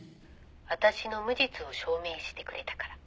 「私の無実を証明してくれたから。